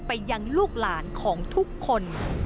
ไปยังลูกหลานของทุกคน